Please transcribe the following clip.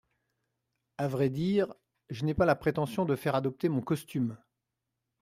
À vrai dire, je n’ai pas la prétention de faire adopter mon costume !